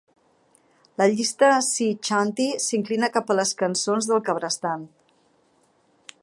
La llista Sea Chanty s'inclina cap a les cançons del cabrestant.